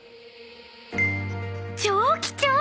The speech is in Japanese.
［超貴重！］